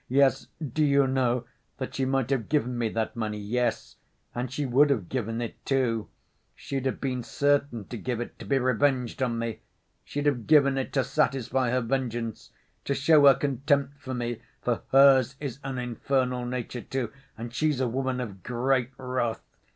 Yes, do you know that she might have given me that money, yes, and she would have given it, too; she'd have been certain to give it, to be revenged on me, she'd have given it to satisfy her vengeance, to show her contempt for me, for hers is an infernal nature, too, and she's a woman of great wrath.